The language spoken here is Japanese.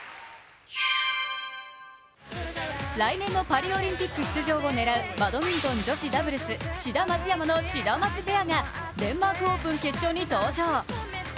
来年のパリオリンピック出場を狙うバドミントン女子ダブルス、志田・松山のシダマツペアがデンマークオープン決勝に登場。